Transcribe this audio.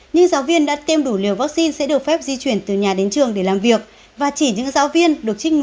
nhưng giáo viên đã tiêm đủ liều vaccine sẽ được phép di chuyển từ nhà đến trường để làm việc